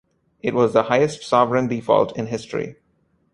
It was the highest sovereign default in history.